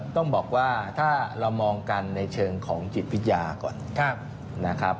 ต้องบอกว่าถ้าเรามองกันในเชิงของจิตวิทยาก่อนนะครับ